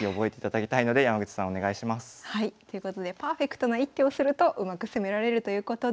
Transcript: ということでパーフェクトな一手をするとうまく攻められるということです。